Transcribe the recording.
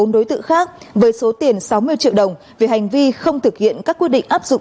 bốn đối tượng khác với số tiền sáu mươi triệu đồng vì hành vi không thực hiện các quyết định áp dụng